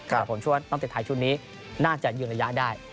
แต่ผมช่วงว่าตอนตั้งแต่ชุดนี้น่าจะยืนระยะได้